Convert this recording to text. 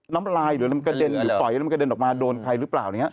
น้ำลายหรืออะไรมันกระเด็นหรือปล่อยหรือมันกระเด็นออกมาโดนใครหรือเปล่า